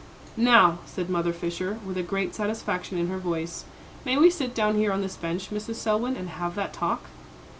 "Now," said Mother Fisher, with a great satisfaction in her voice, "may we sit down here on this bench, Mrs. Selwyn, and have that talk?"